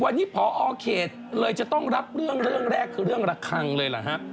วันนี้พอเขตเลยจะต้องรับเรื่องเรื่องแรกคือเรื่องระคังเลยล่ะฮะ